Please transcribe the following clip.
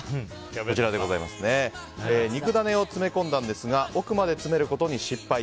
こちら肉ダネを詰め込んだんですが奥まで詰めることに失敗。